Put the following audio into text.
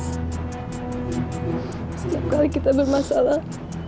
setiap kali kita bermasalah